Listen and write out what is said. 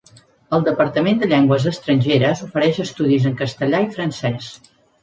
El Departament de Llengües Estrangeres ofereix estudis en castellà i francès.